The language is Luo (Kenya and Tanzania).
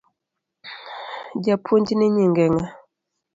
Japuonjni nyinge ng’a?